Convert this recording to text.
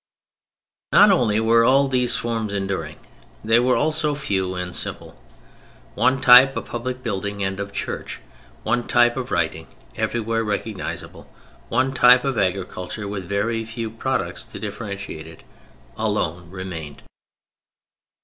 Not only were all these forms enduring, they were also few and simple. One type of public building and of church, one type of writing, everywhere recognizable, one type of agriculture, with very few products to differentiate it, alone remained.